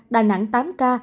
đà nẵng tám ca